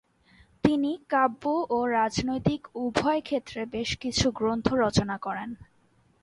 তিনি কাব্য ও রাজনৈতিক উভয় ক্ষেত্রে বেশ কিছু গ্রন্থ রচনা করেন।